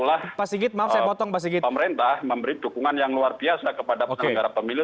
oleh karena itulah pemerintah memberi dukungan yang luar biasa kepada penelenggara pemilu